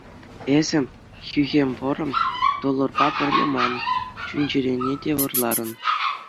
Эсӗ, хӳхӗм вӑрӑ, долларпа пӗрле ман чун-чӗрене те вӑрларӑн.